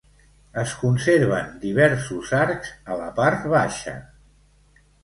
Es conserven diversos arcs a la part baixa.